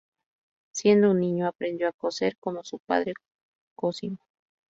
Siendo un niño, aprendió a coser como su padre, Cosimo.